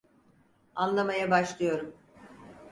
Anlamaya başlıyorum.